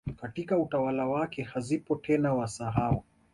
katika utawala wake hazipo tena Wasahau